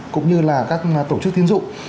cũng như là các tổ chức tiến dụng